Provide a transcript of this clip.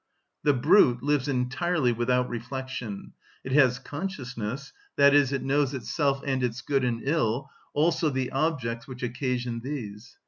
The brute lives entirely without reflection. It has consciousness, i.e., it knows itself and its good and ill, also the objects which occasion these.